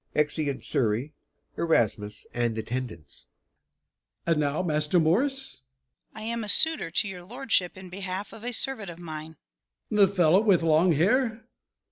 [Exeunt Surrey, Erasmus, and Attendants.] How now, Master Morris? MORRIS. I am a suitor to your lordship in behalf of a servant of mine. MORE. The fellow with long hair?